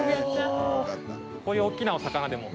こういう大きなお魚でも。